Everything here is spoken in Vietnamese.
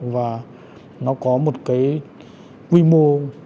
và nó có một quy mô